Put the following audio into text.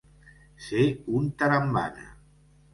Ser un tarambana.